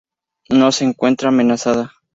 No se encuentra amenazada.